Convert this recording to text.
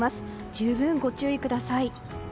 十分ご注意ください。